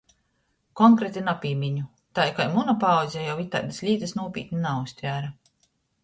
Konkreti napīmiņu, tai kai muna paaudze jau itaidys lītys nūpītni nauztvēre.